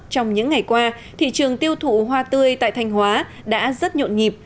trong những ngày qua thị trường tiêu thụ hoa tươi tại thanh hóa đã rất nhộn nhịp